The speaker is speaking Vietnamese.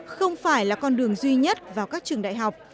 không phải là con đường duy nhất vào các trường đại học